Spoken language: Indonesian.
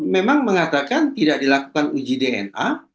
memang mengatakan tidak dilakukan uji dna